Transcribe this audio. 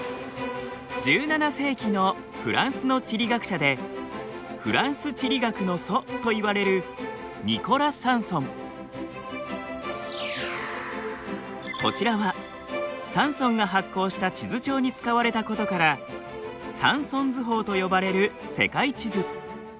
１７世紀のフランスの地理学者でフランス地理学の祖といわれるこちらはサンソンが発行した地図帳に使われたことからサンソン図法と呼ばれる世界地図。